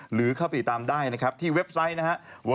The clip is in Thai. หรือเข้าไปติดตามได้นะครับที่เว็บไซต์นะครับ